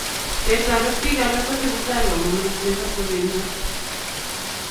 Ketoret pik alak kotesei kamanut nebo sopenyo